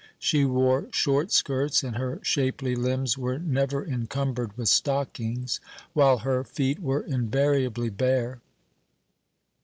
She wore short skirts, and her shapely limbs were never encumbered with stockings, while her feet were invariably bare.